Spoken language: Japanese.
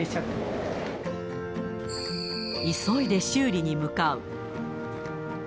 急いで修理に向かう。